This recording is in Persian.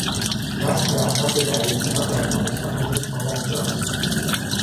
رسم رفتن به دریاکنار در تابستان هنوز پابرجا است.